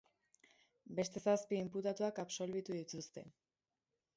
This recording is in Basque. Beste zazpi inputatuak absolbitu dituzte.